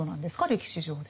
歴史上で。